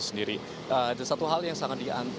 sendiri ada satu hal yang sangat diantisi